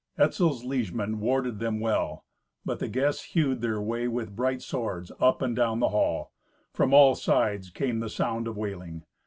Etzel's liegemen warded them well, but the guests hewed their way with their bright swords up and down the hall. From all sides came the sound of wailing.